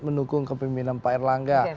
mendukung kepemimpinan pak erlangga